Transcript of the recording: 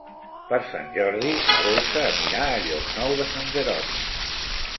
Per Sant Jordi na Dolça anirà a Llocnou de Sant Jeroni.